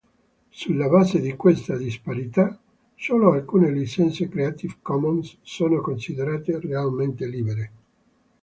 Sulla base di questa disparità, solo alcune licenze Creative Commons sono considerate realmente libere.